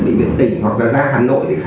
bị biển tỉnh hoặc là ra hà nội để khám